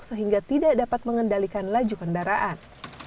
sehingga tidak dapat mengendalikan laju kendaraan